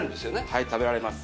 はい食べられます。